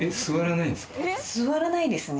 座らないですね。